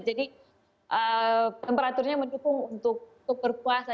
jadi temperaturnya mendukung untuk berpuasa